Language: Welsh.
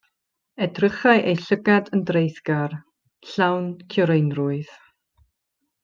Edrychai ei llygaid yn dreiddgar, llawn cywreinrwydd.